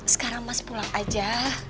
sekarang mas pulang aja